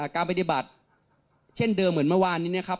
การปฏิบัติเช่นเดิมเหมือนเมื่อวานนี้นะครับ